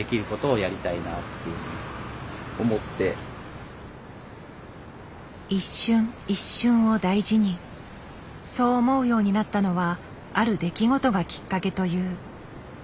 そう思うようになったのはある出来事がきっかけという。